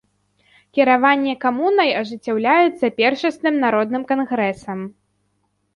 Кіраванне камунай ажыццяўляецца першасным народным кангрэсам.